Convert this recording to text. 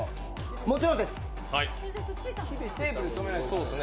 もちろんです。